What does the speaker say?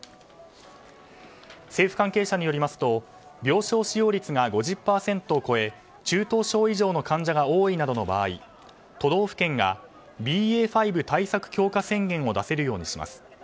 政府関係者によりますと病床使用率が５０％を超え中等症以上の患者が多いなどの場合都道府県がＢＡ．５対策強化宣言を出せるようにします。